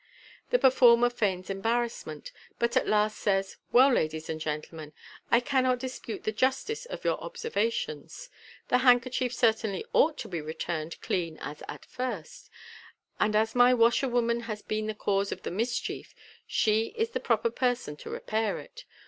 The performer feigns embarrassment, but at last says, " Well, ladies and gentlemen, t cannot dispute the justice of your observations. The handkerchief certainly ought to be returned clean as at first, and as my washer woman has been the cause of the mischief, she is the proper person to repair it.